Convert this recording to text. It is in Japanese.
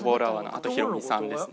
あとヒロミさんですね。